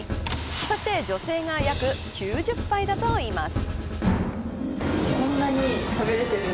そして女性が約９０杯だといいます。